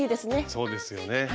そうですよね。